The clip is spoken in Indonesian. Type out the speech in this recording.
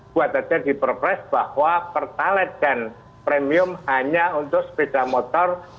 buat saja diperpres bahwa pertalit dan premium hanya untuk sepeda motor